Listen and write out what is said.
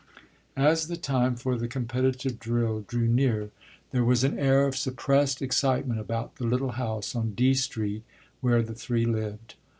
As the time for the competitive drill drew near there was an air of suppressed excitement about the little house on "D" Street, where the three lived.